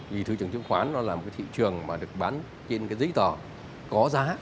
vì thị trường chứng khoán nó là một cái thị trường mà được bán trên cái giấy tờ có giá